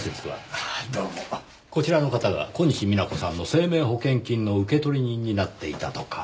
こちらの方が小西皆子さんの生命保険金の受取人になっていたとか。